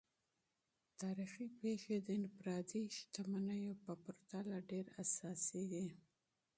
تاریخي پیښې د انفرادي شتمنیو په پرتله ډیر اساسي دي.